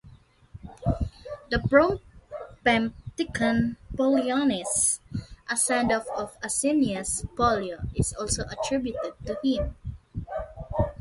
A "Propempticon Pollionis", a send-off to Asinius Pollio, is also attributed to him.